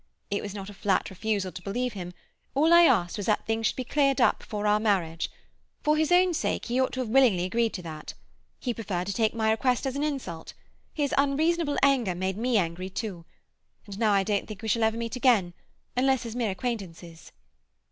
It was not a flat refusal to believe him; all I asked was that things should be cleared up before our marriage. For his own sake he ought to have willingly agreed to that. He preferred to take my request as an insult. His unreasonable anger made me angry too. And now I don't think we shall ever meet again unless as mere acquaintances."